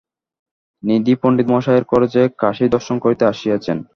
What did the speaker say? নিধি পণ্ডিতমহাশয়ের খরচে কাশী দর্শন করিতে আসিয়াছেন।